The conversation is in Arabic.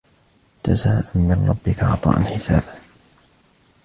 جَزَاءً مِنْ رَبِّكَ عَطَاءً حِسَابًا